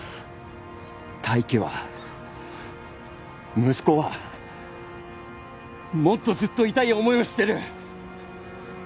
泰生は息子はもっとずっと痛い思いをしてる。